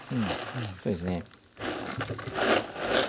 そうですね。